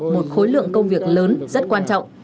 một khối lượng công việc lớn rất quan trọng